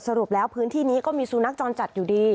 สรุปแล้วพื้นที่นี้ก็มีสุนัขจรจัดอยู่ดี